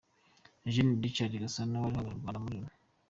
Eugene Richard Gasana wari uhagarariye u Rwanda muri Loni